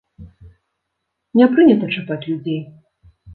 Не прынята чапаць людзей!